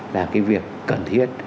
là cái việc cần thiết